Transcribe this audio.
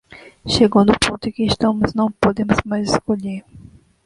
Chegou no ponto em que estamos, não podemos mais escolher.